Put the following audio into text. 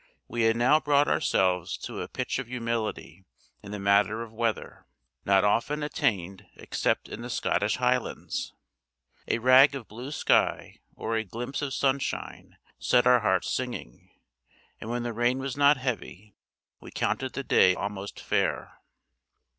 We had now brought ourselves to a pitch of humility in the matter of weather, not often attained except in the Scottish Highlands. A rag of blue sky or a glimpse of sunshine set our hearts singing; and when the rain was not heavy, we counted the day almost fair.